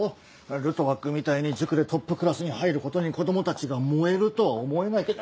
ルトワックみたいに塾でトップクラスに入ることに子供たちが燃えるとは思えないけど。